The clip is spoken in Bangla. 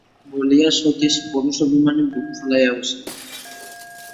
বলিয়া সতীশ পৌরুষ-অভিমানে বুক ফুলাইয়া বসিল।